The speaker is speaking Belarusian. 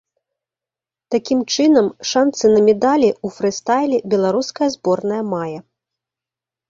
Такім чынам, шанцы на медалі ў фрыстайле беларуская зборная мае.